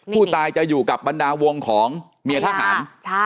ผู้ตายจะอยู่กับบรรดาวงของเมียทหาร